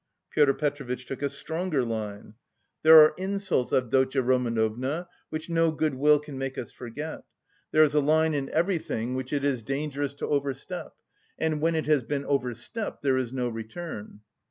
Pyotr Petrovitch took a stronger line. "There are insults, Avdotya Romanovna, which no goodwill can make us forget. There is a line in everything which it is dangerous to overstep; and when it has been overstepped, there is no return."